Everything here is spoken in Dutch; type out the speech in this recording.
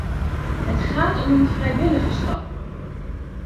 Het gaat om een vrijwillige stap.